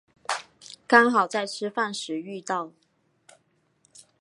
刚好在吃饭时遇到